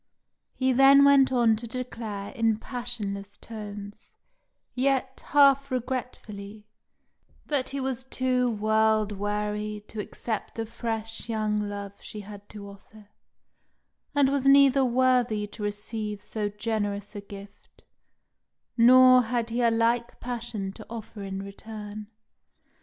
He then went on to declare in passionless tones, yet half regretfully, that he was too world weary to accept the fresh young love she had to offer, and was neither worthy to receive so generous a gift, nor had he a like passion to offer in return.